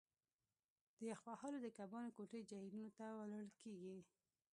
د یخ وهلو د کبانو کوټې جهیلونو ته وړل کیږي